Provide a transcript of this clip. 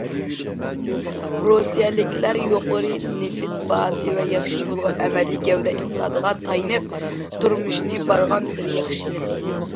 رۇسىيەلىكلەر يۇقىرى نېفىت باھاسى ۋە ياخشى بولغان ئەمەلىي گەۋدە ئىقتىسادىغا تايىنىپ، تۇرمۇشىنى بارغانسېرى ياخشىلىدى.